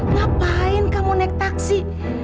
ngapain kamu naik taksi